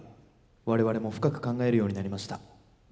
我々も深く考えるようになりました。